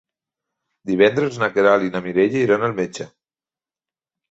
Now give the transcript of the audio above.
Divendres na Queralt i na Mireia iran al metge.